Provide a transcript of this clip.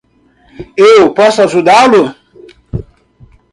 Eu posso ajudá-lo!